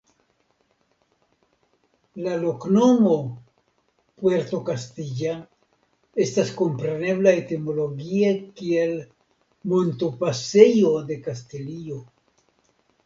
La loknomo "Puerto Castilla" estas komprenebla etimologie kiel "Montopasejo de Kastilio".